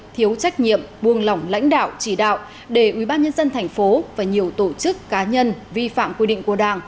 thiếu trách nhiệm buông lỏng lãnh đạo chỉ đạo để ubnd tp và nhiều tổ chức cá nhân vi phạm quy định của đảng